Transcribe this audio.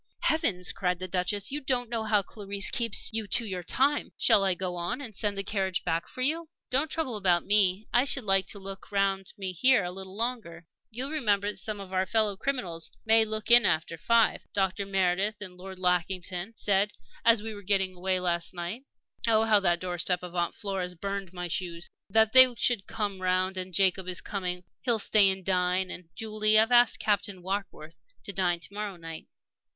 "Heavens!" cried the Duchess. "You don't know how Clarisse keeps you to your time. Shall I go on, and send the carriage back for you?" "Don't trouble about me. I should like to look round me here a little longer." "You'll remember that some of our fellow criminals may look in after five? Dr. Meredith and Lord Lackington said, as we were getting away last night oh, how that doorstep of Aunt Flora's burned my shoes! that they should come round. And Jacob is coming; he'll stay and dine. And, Julie, I've asked Captain Warkworth to dine to morrow night."